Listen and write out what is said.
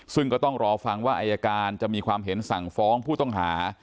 ซึ่งก็ต้องรอฟังว่าอายการจะมีความเห็นสั่งฟ้องผู้ต้องหา